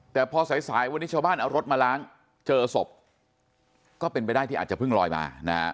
แต่พอสายสายวันนี้ชาวบ้านเอารถมาล้างเจอศพก็เป็นไปได้ที่อาจจะเพิ่งลอยมานะฮะ